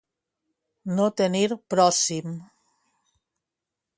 No tenir pròxim.